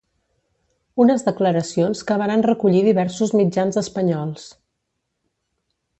Unes declaracions que varen recollir diversos mitjans espanyols.